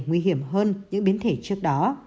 nguy hiểm hơn những biến thể trước đó